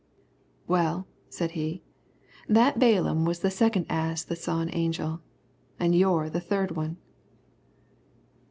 "Well," said he, "that man Balaam was the second ass that saw an angel, an' you're the third one."